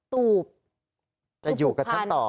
ตูบจะอยู่กับฉันต่อ